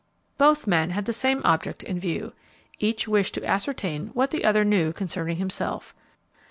Both men had the same object in view. Each wished to ascertain what the other knew concerning himself.